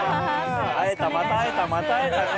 会えたまた会えたまた会えたね。